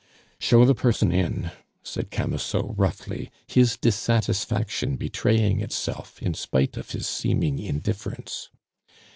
"Show the person in," said Camusot roughly, his dissatisfaction betraying itself in spite of his seeming indifference.